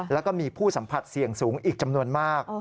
แล้วก็มีผู้สัมผัสเสี่ยงสูงอีกจำนวนมาก